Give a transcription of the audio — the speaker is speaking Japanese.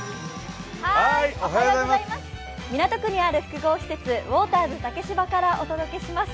港区にある複合施設、ウォーターズ竹芝からお届けします。